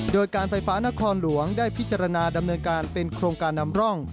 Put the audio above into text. โดยการไฟฟ้านครหลวงได้พิจารณาดำเนินการเป็นโครงการนำร่อง